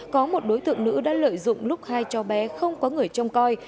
có một đối tượng nữ đã lợi dụng lúc hai cho bé không có người trông coi